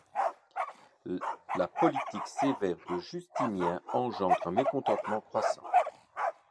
La politique sévère de Justinien engendre un mécontentement croissant.